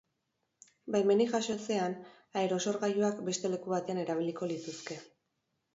Baimenik jaso ezean, aerosorgailuak beste leku batean erabiliko lituzke.